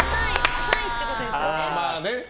浅いってことですよね。